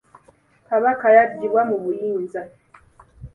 Kabaka yaggibwa mu buyinza.